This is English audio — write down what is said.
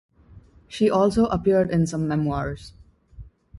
She also appeared in some memoirs.